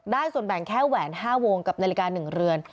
ส่วนแบ่งแค่แหวน๕วงกับนาฬิกา๑เรือน